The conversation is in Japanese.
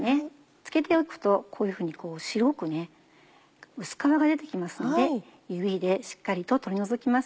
漬けておくとこういうふうに白く薄皮が出て来ますので指でしっかりと取り除きます。